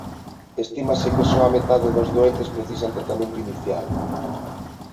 Estímase que só a metade dos doentes precisan tratamento inicial.